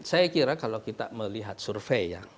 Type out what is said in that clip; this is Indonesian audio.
saya kira kalau kita melihat survei ya